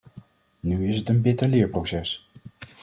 Nu is het een bitter leerproces.